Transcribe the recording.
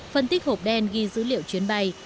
phân tích hộp đen ghi dữ liệu chuyến bay